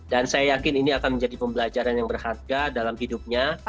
dan saya yakin ini akan menjadi pembelajaran yang berharga dalam hidupnya